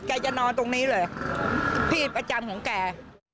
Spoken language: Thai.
จะนอนตรงนี้เลยพี่ประจำของแก